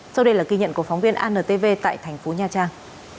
sau đây là ghi nhận của phóng viên antv tại thành phố nha trang